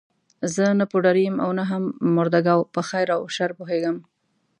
زه نه پوډري یم او نه هم مرده ګو، په خیر او شر پوهېږم.